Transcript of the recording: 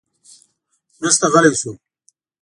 وروسته غلی شو.